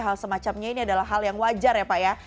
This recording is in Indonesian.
hal semacamnya ini adalah hal yang wajar ya pak ya